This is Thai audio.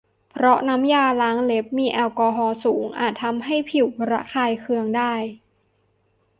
เพราะน้ำยาล้างเล็บมีแอลกอฮอล์สูงอาจทำให้ผิวระคายเคืองได้